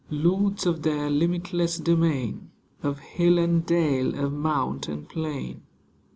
Lords of their limitless domain. Of hill and dale, of mount and plain.